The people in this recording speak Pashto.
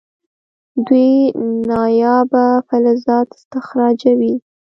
دوی نایابه فلزات استخراجوي.